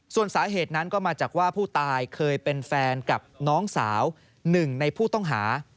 ส่วนสาเหตุนั้นก็มาจากว่าผู้ตายเคยเป็นแฟนกับน้องสาวหนึ่งในผู้ต้องหา